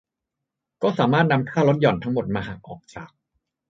ก็สามารถนำค่าลดหย่อนทั้งหมดมาหักออกจาก